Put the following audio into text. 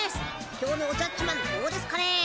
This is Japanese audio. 今日のおじゃっちマンどうですかね？